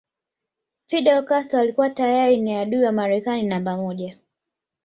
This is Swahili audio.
Fidel Castro alikuwa tayari ni adui wa Marekani namba moja